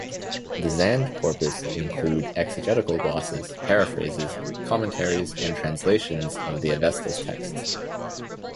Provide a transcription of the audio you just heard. The "zand" corpus include exegetical glosses, paraphrases, commentaries and translations of the Avesta's texts.